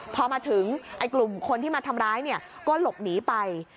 พอมาถึงกลุ่มคนที่มาทำร้ายเนี่ยก็หลบหนีไป